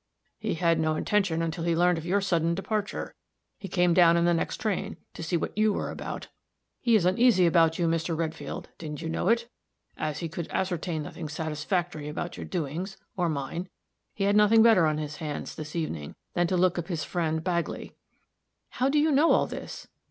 "He had no intention until he learned of your sudden departure. He came down in the next train, to see what you were about. He is uneasy about you, Mr. Redfield, didn't you know it? As he could ascertain nothing satisfactory about your doings, or mine, he had nothing better on his hands, this evening, than to look up his friend Bagley." "How do you know all this?"